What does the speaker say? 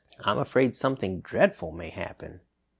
I'm afraid something dreadful may happen."